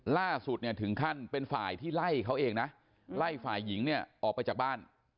ล่าสุดเนี่ยถึงขั้นเป็นฝ่ายที่ไล่เขาเองนะไล่ฝ่ายหญิงเนี่ยออกไปจากบ้าน